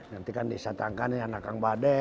nanti kan disatangkan anak kang badai